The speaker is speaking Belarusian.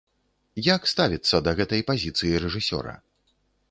Як ставіцца да гэтай пазіцыі рэжысёра?